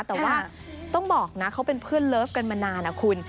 แต่ว่าต้องบอกนะเขาเป็นเพื่อนเลิฟกันมานานนะคุณ